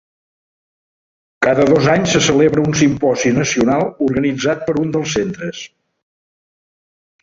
Cada dos anys se celebra un simposi nacional, organitzat per un dels centres.